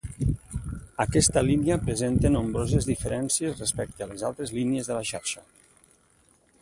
Aquesta línia presenta nombroses diferències respecte a les altres línies de la xarxa.